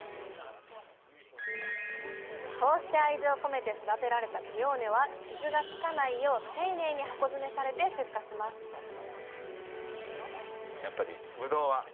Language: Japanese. こうして愛情込めて育てられたピオーネは傷がつかないよう丁寧に箱詰めされて出荷しますあすごい。